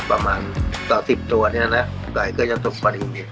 ประมาณสำหรับสิบตัวเนี้ยนะไก่ก็ยังถูกประดิษฐ์